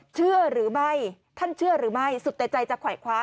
เชื่อหรือไม่ท่านเชื่อหรือไม่สุดแต่ใจจะขวายคว้า